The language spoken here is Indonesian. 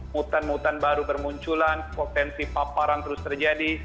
mutan mutan baru bermunculan potensi paparan terus terjadi